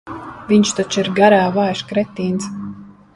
Viņš taču ir garā vājš kretīns.